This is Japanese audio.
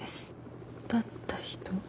だった人？